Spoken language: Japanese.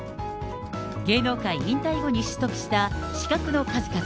芸能界引退後に取得した資格の数々。